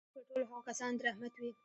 پر ټولو هغو کسانو دي رحمت وي.